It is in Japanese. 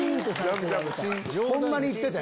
ホンマに行っててん。